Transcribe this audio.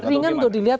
ringan untuk dilihat